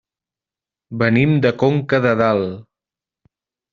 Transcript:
Venim de Conca de Dalt.